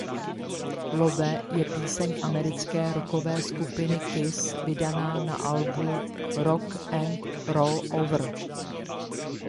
Love je píseň americké rockové skupiny Kiss vydaná na albu Rock and Roll Over.